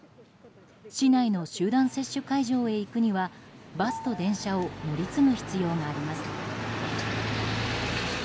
市内の集団接種会場へ行くにはバスと電車を乗り継ぐ必要があります。